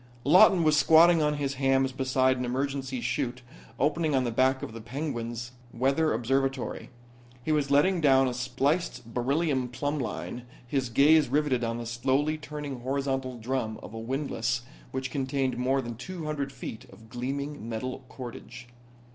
Lawton was squatting on his hams beside an emergency 'chute opening on the deck of the Penguin's weather observatory. He was letting down a spliced beryllium plumb line, his gaze riveted on the slowly turning horizontal drum of a windlass which contained more than two hundred feet of gleaming metal cordage.